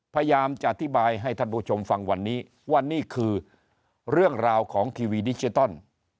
พยายามจะอธิบายให้ท่านผู้ชมฟังวันนี้ว่านี่คือเรื่องราวของทีวีดิจิตอล